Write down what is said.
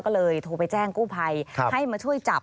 ก็เลยโทรไปแจ้งกู้ภัยให้มาช่วยจับ